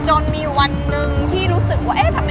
จนมีวันหนึ่งที่รู้สึกว่า